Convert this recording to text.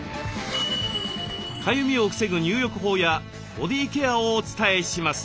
かゆみを防ぐ入浴法やボディーケアをお伝えします。